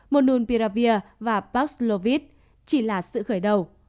monunpiravir và paxlovit chỉ là sự khởi đầu